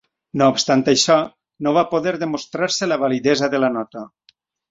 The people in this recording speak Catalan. No obstant això, no va poder demostrar-se la validesa de la nota.